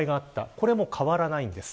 これも変わらないんです。